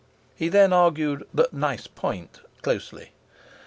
He then argued the "nice point" closely.